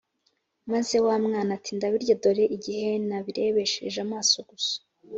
maze wa mwana ati “ndabirya dore igihe nabirebeshereje amaso gusa.”